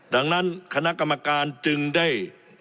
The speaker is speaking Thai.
ดังนั้นคณะกรรมการจึงได้